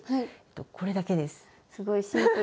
これだけです。